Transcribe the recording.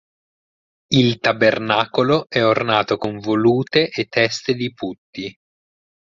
Il tabernacolo è ornato con volute e teste di putti.